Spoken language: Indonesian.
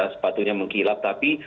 sepatunya mengkilap tapi